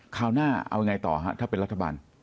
คราวหน้าเอายังไงต่อฮะถ้าเป็นรัฐบาล